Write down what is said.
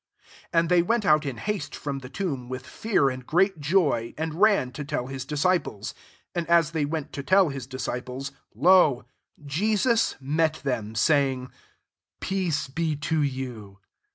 8 And they went out in haste from the tomb with fear and great joy ; and ran to tell his disciples. 9 And [a8 they went to tell his discifilet]^ lo ! Jesus met them, saying, " Peace be to you.'!